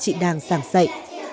chị đang giảng dạy